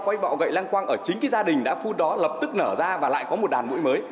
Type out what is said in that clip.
quay bọ gậy lăng quang ở chính cái gia đình đã phun đó lập tức nở ra và lại có một đàn mũi mới